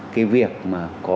cái việc mà có